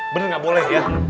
ben gak boleh ya